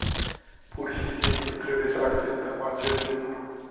Pur și simplu trebuie să acceptăm acest lucru.